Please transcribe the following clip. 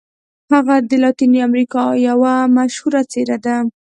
هغه د لاتیني امریکا یوه مشهوره څیره ده.